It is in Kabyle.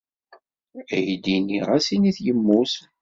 Aydi-nni ɣas init yemmut.